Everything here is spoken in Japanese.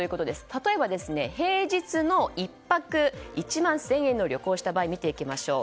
例えば、平日の１泊１万１０００円の旅行をした場合で見ていきましょう。